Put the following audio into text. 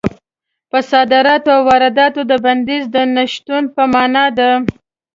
په صادراتو او وارداتو د بندیز د نه شتون په مانا ده.